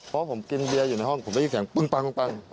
เพราะผมกินเบียร์อยู่ในห้องผมได้ยินเสียงปึ้งปัง